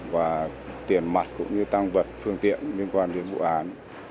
và tiền mặt cũng như tăng vật phương tiện liên quan đến vụ án